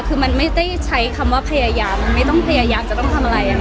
คือมันไม่ได้ใช้คำว่าพยายามมันไม่ต้องพยายามจะต้องทำอะไร